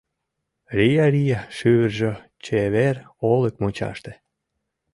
Рия-рия шӱвыржӧ Чевер олык мучаште.